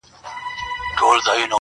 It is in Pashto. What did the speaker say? ورځي د وريځي يارانه مــاتـه كـړه,